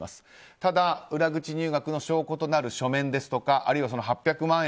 ただ、裏口入学の証拠となる書面ですとかあるいは８００万円